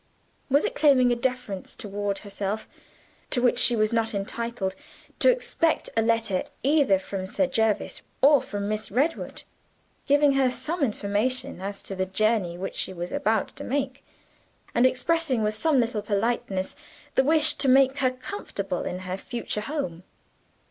Was it claiming a deference toward herself, to which she was not entitled, to expect a letter either from Sir Jervis, or from Miss Redwood; giving her some information as to the journey which she was about to undertake, and expressing with some little politeness the wish to make her comfortable in her future home?